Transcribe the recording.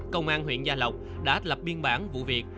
công an huyện gia lộc đã lập biên bản vụ việc